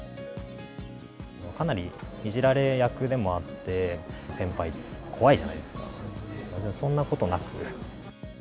かなりいじられ役でもあって、先輩って怖いじゃないですか、でもそんなことなく。